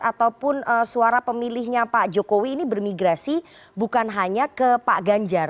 ataupun suara pemilihnya pak jokowi ini bermigrasi bukan hanya ke pak ganjar